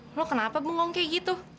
lu kenapa bengong kayak gitu